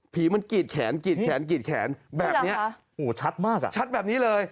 ผีมันกรีดแขนแบบนี้ชัดแบบนี้เลย